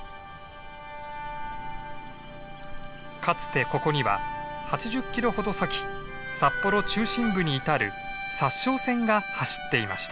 かつてここには８０キロほど先札幌中心部に至る札沼線が走っていました。